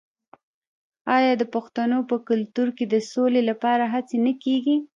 آیا د پښتنو په کلتور کې د سولې لپاره هڅې نه کیږي؟